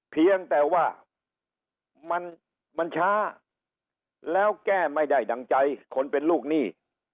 เพียงแต่ว่ามันช้าแล้วแก้ไม่ได้ดั่งใจคนเป็นลูกหนี้